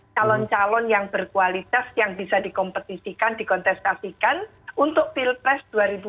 calon calon yang berkualitas yang bisa dikompetisikan dikontestasikan untuk pilpres dua ribu dua puluh